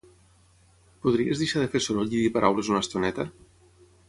Podries deixar de fer soroll i dir paraules una estoneta?